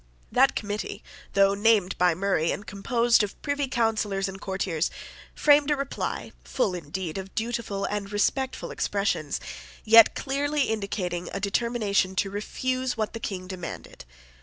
That committee, though named by Murray, and composed of Privy Councillors and courtiers, framed a reply, full indeed of dutiful and respectful expressions, yet clearly indicating a determination to refuse what the King demanded.